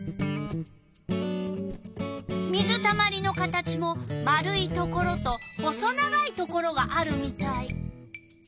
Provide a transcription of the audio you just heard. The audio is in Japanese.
水たまりの形も丸いところと細長いところがあるみたい。